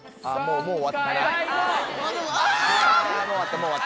もう終わった